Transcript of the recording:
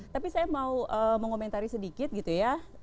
tapi saya mau mengomentari sedikit gitu ya